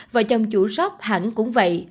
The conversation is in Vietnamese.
vợ chồng chủ shop hẳn cũng vậy